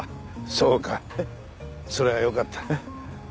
そうかそれはよかった。